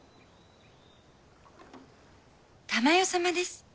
珠世様です。